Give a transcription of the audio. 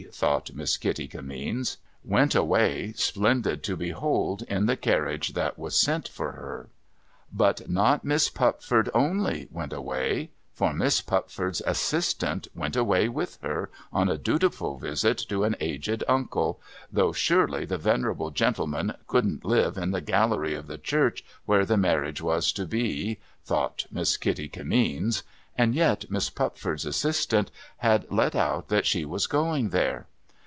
thought Miss Kitty Kimmeens), went away, splendid to behold, in the carriage that was sent for her. But not Miss Pupford only went away ; for Miss Pupford's assistant went away with her, on a dutiful visit to an aged uncle — though surely the venerable gentleman couldn't live in the gallery of the church where the marriage was to be, thought Miss Kitty Kimmeens — and yet IMiss Pupford's assistant had let out that she was going there.